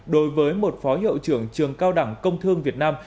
đối với một phó hiệu trưởng trường cao đẳng công thương việt nam